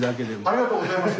ありがとうございます。